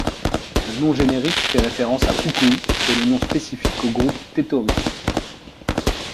Le nom générique fait référence à Fukui et le nom spécifique au groupe Tetori.